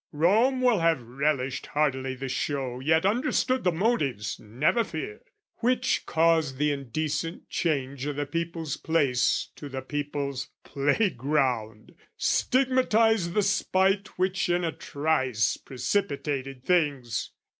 "Rome will have relished heartily the show, "Yet understood the motives, never fear, "Which caused the indecent change o' the People's Place "To the People's Playground, stigmatise the spite "Which in a trice precipitated things!